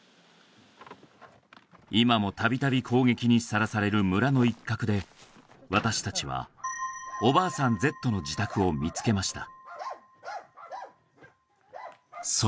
今もたびたび攻撃にさらされる村の一角で私たちはおばあさんＺの自宅を見つけました